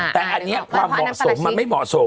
แต่อันนี้ความเหมาะสมมันไม่เหมาะสม